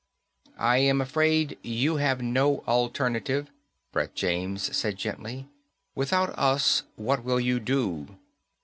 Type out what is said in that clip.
"I am afraid you have no alternative," Brett James said gently. "Without us, what will you do?